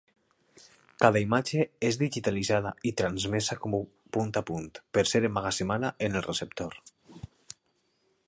Cada imatge és digitalitzada i transmesa punt a punt, per ser emmagatzemada en el receptor.